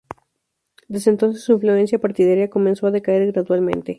Desde entonces su influencia partidaria comenzó a decaer gradualmente.